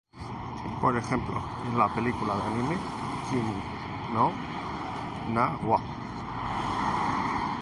Por ejemplo en la película de ánime Kimi no Na wa.